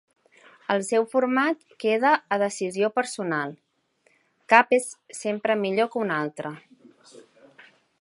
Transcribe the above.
El seu format queda a decisió personal: cap és sempre millor que un altre.